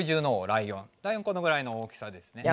ライオンこのぐらいの大きさですね。